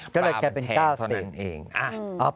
ก็เลยแค่เป็น๙๐บาท